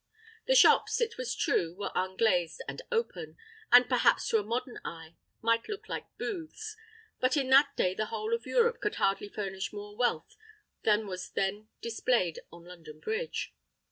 The shops, it is true, were unglazed and open, and perhaps to a modern eye might look like booths; but in that day the whole of Europe could hardly furnish more wealth than was then displayed on London Bridge.